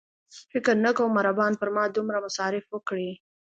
فکر نه کوم عربان پر ما دومره مصارف وکړي.